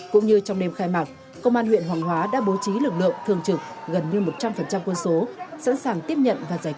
cũng như trong đêm khai mạc công an huyện hoàng hóa đã bố trí lực lượng thường trực gần như một trăm linh quân số